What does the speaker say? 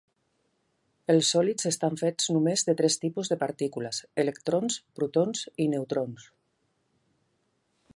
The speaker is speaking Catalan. Els sòlids estan fets només de tres tipus de partícules: electrons, protons i neutrons.